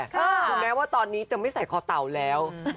ถึงแม้ว่าตอนนี้จะไม่ใส่คอเต่าแล้ว